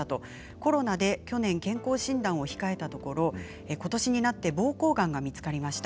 コロナで去年健康診断を控えたところことしになってぼうこうがんが見つかりました。